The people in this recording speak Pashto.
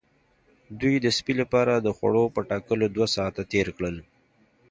دوی د سپي لپاره د خوړو په ټاکلو دوه ساعته تیر کړل